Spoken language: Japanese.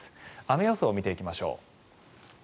雨予想を見ていきましょう。